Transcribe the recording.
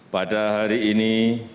pada hari ini